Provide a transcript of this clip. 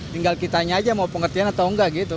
tinggal kita saja mau pengertian atau tidak gitu